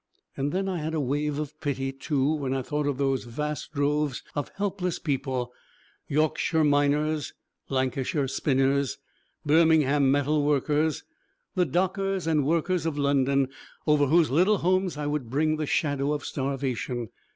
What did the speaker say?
And then I had a wave of pity, too, when I thought of those vast droves of helpless people, Yorkshire miners, Lancashire spinners, Birmingham metal workers, the dockers and workers of London, over whose little homes I would bring the shadow of starvation.